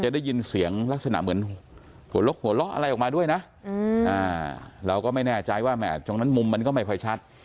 ได้ยินเสียงลักษณะเหมือนหัวลกหัวเราะอะไรออกมาด้วยนะเราก็ไม่แน่ใจว่าแห่ตรงนั้นมุมมันก็ไม่ค่อยชัด